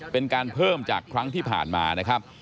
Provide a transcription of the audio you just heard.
เป็นการเพิ่มจากครั้งที่ผ่านมานะครับ